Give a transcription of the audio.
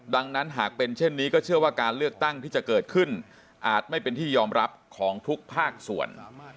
ดังนั้นหากเป็นเช่นนี้ก็เชื่อว่าการเลือกตั้งที่จะเกิดขึ้นอาจไม่เป็นที่ยอมรับของทุกภาคส่วน